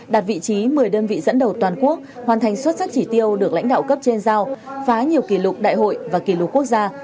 đạt vị trí một mươi đơn vị dẫn đầu toàn quốc hoàn thành xuất sắc chỉ tiêu được lãnh đạo cấp trên giao phá nhiều kỷ lục đại hội và kỷ lục quốc gia